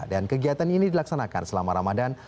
dan kegiatan ini dilaksanakan selama ramadan